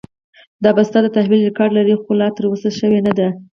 دا بسته د تحویل ریکارډ لري، خو لا ترلاسه شوې نه ده.